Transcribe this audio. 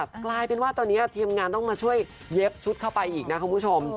กลายเป็นว่าตอนนี้ทีมงานต้องมาช่วยเย็บชุดเข้าไปอีกนะคุณผู้ชม